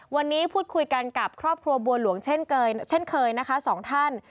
วันนี้พูดคุยกันกับครอบครัวบัวหลวงเช่นเคยนะคะสองท่าน